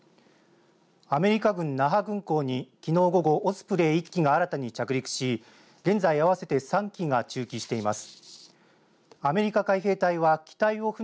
アメリカ軍那覇軍港にきのう午後オスプレイ１機が新たに着陸し現在あわせて３機が駐機しています。